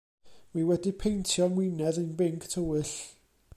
Wi wedi peinto 'ngwinedd i'n binc tywyll.